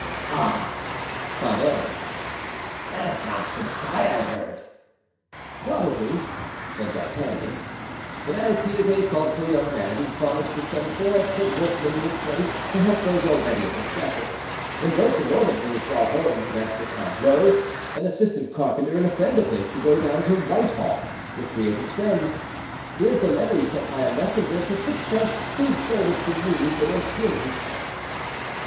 "Ah!" cried Aramis, "that accounts for the cry I heard." "Probably," said D'Artagnan, "but as he is a thoughtful young man he promised to send four expert workmen in his place to help those already at the scaffold, and wrote the moment he was brought home to Master Tom Lowe, an assistant carpenter and friend of his, to go down to Whitehall, with three of his friends. Here's the letter he sent by a messenger, for sixpence, who sold it to me for a guinea."